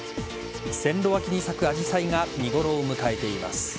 線路脇に咲くアジサイが見頃を迎えています。